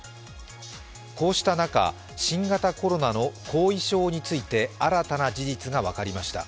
こうした中、新型コロナの後遺症について新たな事実が分かりました。